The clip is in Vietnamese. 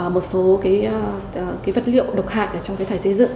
một số vật liệu độc hại trong phế thải xây dựng